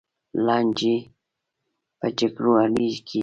لانجې په جرګو حل کېږي.